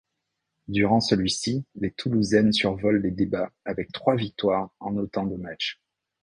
Durant celui-ci, les Toulousaines survolent les débats avec trois victoires en autant de matchs.